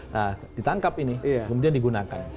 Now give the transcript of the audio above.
nah ditangkap ini kemudian digunakan